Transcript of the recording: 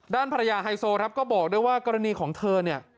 ด้านภรรยาไฮโซครับก็บอกด้วยว่ากรณีของเธอเนี่ย